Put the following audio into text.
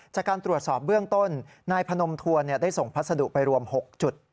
จากการตรวจสอบเบื้องต้นนายพนมทวนได้ส่งพัสดุไปรวม๖จุด